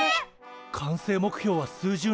完成目標は数十年後。